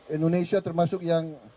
indonesia termasuk yang